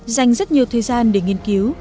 dành rất nhiều thời gian để nghiên cứu